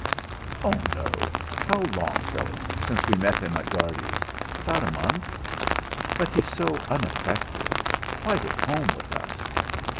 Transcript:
"Oh! no. How long, Phyllis, since we met him at Guardy's? About a month. But he's so unaffected quite at home with us.